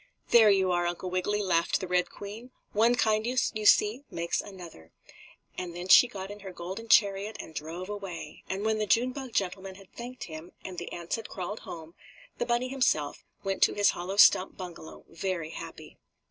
"There you are, Uncle Wiggily!" laughed the Red Queen. "One kindness, you see, makes another," and then she got in her golden chariot and drove away, and when the June bug gentleman had thanked him, and the ants had crawled home, the bunny himself went to his hollow stump bungalow very happy.